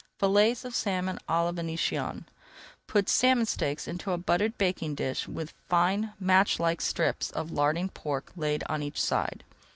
FILLETS OF SALMON À LA VÉNITIENNE Put salmon steaks into a buttered baking pan with fine match like strips of larding pork laid on each side.